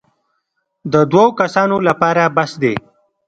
د دوو کسانو لپاره بس دی.